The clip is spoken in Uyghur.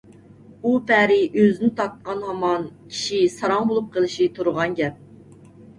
ئۇ پەرى ئۆزىنى تارتقان ھامان كىشى ساراڭ بولۇپ قېلىشى تۇرغان گەپ.